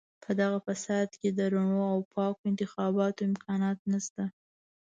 په دغه فساد کې د رڼو او پاکو انتخاباتو امکانات نشته.